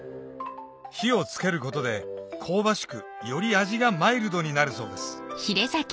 火を付けることで香ばしくより味がマイルドになるそうです